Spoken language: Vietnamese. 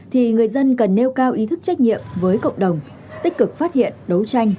thì người dân cần nêu cao ý thức trách nhiệm với cộng đồng tích cực phát hiện đấu tranh